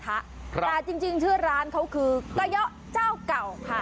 แต่จริงชื่อร้านเขาคือกะเยาะเจ้าเก่าค่ะ